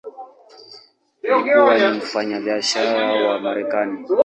Alikuwa ni mfanyabiashara wa Marekani.